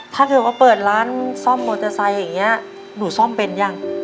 ถ้าเกิดว่าเปิดร้านซ่อมมอเตอร์ไซค์อย่างนี้หนูซ่อมเป็นยัง